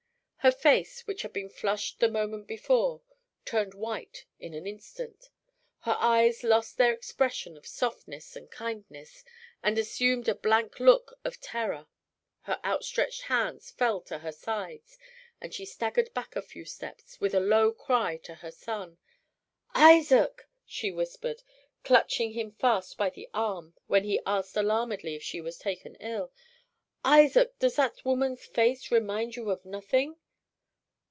Her face, which had been flushed the moment before, turned white in an instant; her eyes lost their expression of softness and kindness, and assumed a blank look of terror; her outstretched hands fell to her sides, and she staggered back a few steps with a low cry to her son. "Isaac," she whispered, clutching him fast by the arm when he asked alarmedly if she was taken ill, "Isaac, does that woman's face remind you of nothing?"